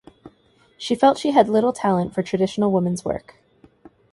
She felt she had little talent for traditional women's work.